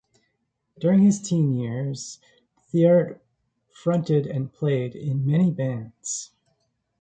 During his teen years, Theart fronted and played in many bands.